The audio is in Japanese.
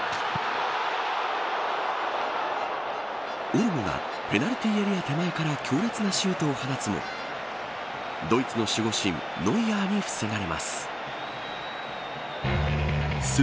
オルモがペナルティーエリア手前から強烈なシュートを放つもドイツの守護神ノイアーに防がれます。